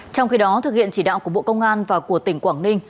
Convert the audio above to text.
trong khi đó thực hiện chỉ đạo của bộ công an và của tỉnh quảng ninh